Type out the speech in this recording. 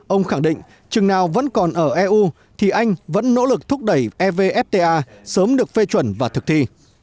ông khẳng định chừng nào vẫn còn ở eu thì anh vẫn nỗ lực thúc đẩy evfta sớm được phê chuẩn và thực thi